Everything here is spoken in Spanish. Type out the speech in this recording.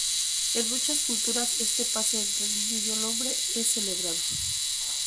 En muchas culturas este paso entre el niño y el hombre es celebrado.